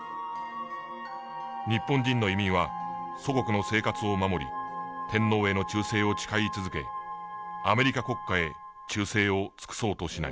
「日本人の移民は祖国の生活を守り天皇への忠誠を誓い続けアメリカ国家へ忠誠を尽くそうとしない。